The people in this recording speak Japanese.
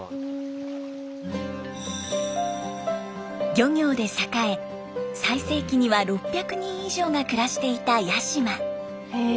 漁業で栄え最盛期には６００人以上が暮らしていた八島。